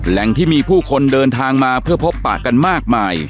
แหล่งที่มีผู้คนเดินทางมาเพื่อพบปากกันมากมาย